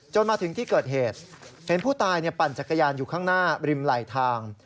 มาถึงที่เกิดเหตุเห็นผู้ตายปั่นจักรยานอยู่ข้างหน้าริมไหลทาง